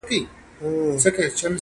پښتانه د افغانستان د قومونو حامیان دي.